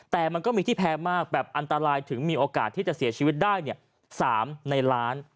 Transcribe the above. แต่มันก็มีที่แพ้มากแบบอันตรายถึงมีโอกาสที่จะเสียชีวิตได้๓ในล้าน